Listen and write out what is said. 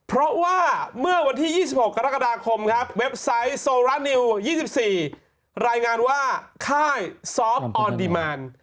รายงานว่าค่ายซอฟต์ออนดิมานด์